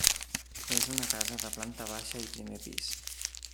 És una casa de planta baixa i primer pis.